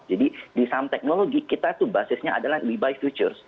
jadi di saham teknologi kita tuh basisnya adalah we buy futures